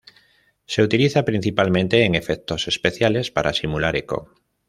Se utiliza principalmente en efectos especiales para simular eco.